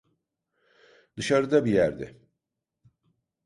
Dışarıda bir yerde.